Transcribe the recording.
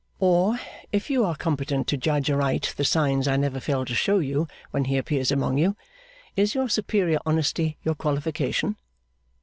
Or, if you are competent to judge aright the signs I never fail to show you when he appears among you, is your superior honesty your qualification?